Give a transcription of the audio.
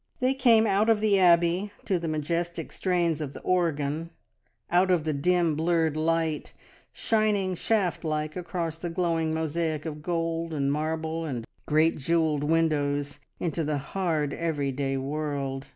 They came out of the Abbey to the majestic strains of the organ out of the dim, blurred light shining shaft like across the glowing mosaic of gold, and marble, and great jewelled windows, into the hard, everyday world.